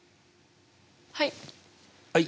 はい。